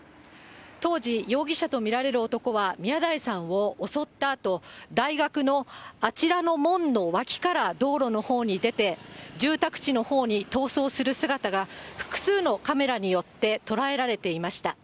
当時、容疑者と見られる男は宮台さんを襲ったあと、大学のあちらの門の脇から道路のほうに出て、住宅地のほうに逃走する姿が、複数のカメラによって捉えられていました。